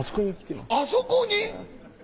あそこに？